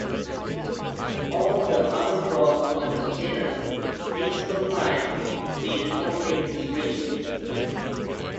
All the other frogs of the genus "Mixophyes" breed only in streams.